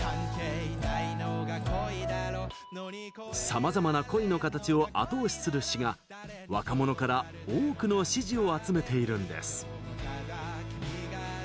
さまざまな恋の形を後押しする詞が、若者から多くの支持を集めているんです。